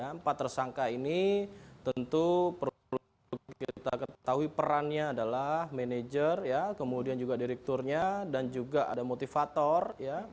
empat tersangka ini tentu perlu kita ketahui perannya adalah manajer ya kemudian juga direkturnya dan juga ada motivator ya